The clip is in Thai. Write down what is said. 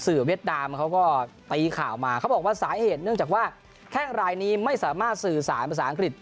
เวียดนามเขาก็ตีข่าวมาเขาบอกว่าสาเหตุเนื่องจากว่าแข้งรายนี้ไม่สามารถสื่อสารภาษาอังกฤษ